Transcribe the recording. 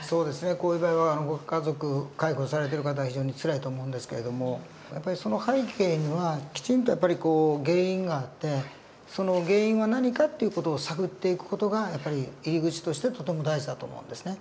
こういう場合はご家族介護されている方は非常につらいと思うんですけれどもやっぱりその背景にはきちんと原因があってその原因は何かっていう事を探っていく事がやっぱり入り口としてとても大事だと思うんですね。